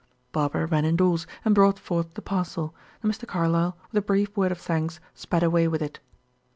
Barbara ran indoors and brought forth the parcel, and Mr. Carlyle, with a brief word of thanks, sped away with it.